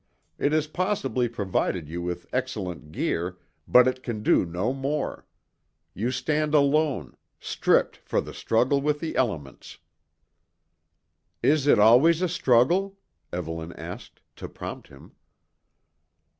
It has possibly provided you with excellent gear, but it can do no more; you stand alone, stripped for the struggle with the elements." "Is it always a struggle?" Evelyn asked, to prompt him.